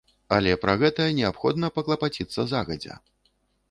Але пра гэта неабходна паклапаціцца загадзя.